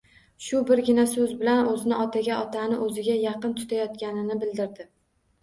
Shu birgina so‘z bilan o‘zini otaga, otani o‘ziga yaqin tutayotganini bildirdi